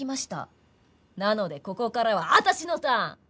なのでここからは私のターン！